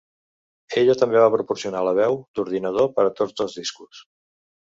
Ella també va proporcionar la veu d'ordinador per a tots dos discos.